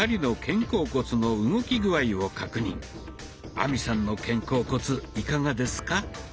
亜美さんの肩甲骨いかがですか？